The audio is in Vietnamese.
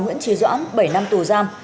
nguyễn trí doãn bảy năm tù gian